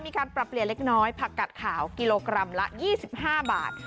มีการปรับเปลี่ยนเล็กน้อยผักกัดขาวกิโลกรัมละ๒๕บาท